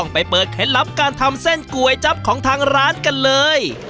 ไปเปิดเคล็ดลับการทำเส้นก๋วยจั๊บของทางร้านกันเลย